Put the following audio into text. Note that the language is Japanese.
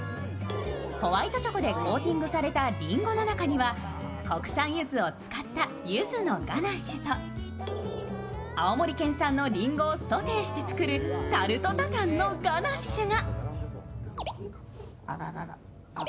ホワイトチョコでコーティングされたりんごの中には国産柚子を使った柚子のガナッシュと青森県産のりんごをソテーして作るタルトタタンのガナッシュが。